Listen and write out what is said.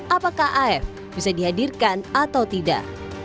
apakah af bisa dihadirkan atau tidak